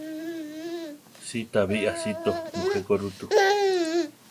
Sitá bi aʼsíto mujé ko ru tú.